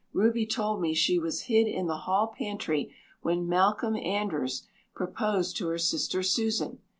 Ruby told me she was hid in the hall pantry when Malcolm Andres proposed to her sister Susan.